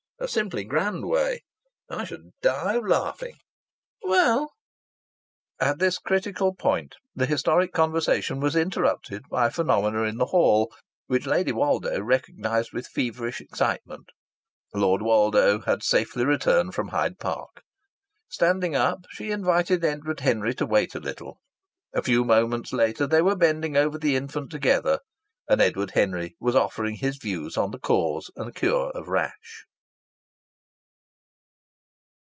A simply grand way! I should die of laughing." "Well " At this critical point the historic conversation was interrupted by phenomena in the hall which Lady Woldo recognized with feverish excitement. Lord Woldo had safely returned from Hyde Park. Starting up, she invited Edward Henry to wait a little. A few moments later they were bending over the infant together, and Edward Henry was offering his views on the cause and cure of rash.